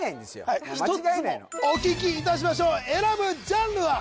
はい１つもお聞きいたしましょう選ぶジャンルは？